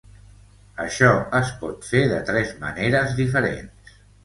Això es pot fer de tres maneres diferents.